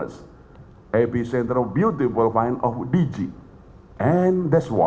epicentrum keindahan yang indah